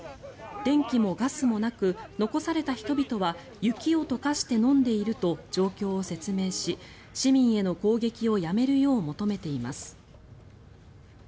電気もガスもなく残された人々は雪を溶かして飲んでいると状況を説明し市民への攻撃をやめるよう求めています。